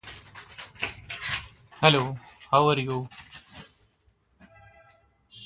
The single was released through Universal Music.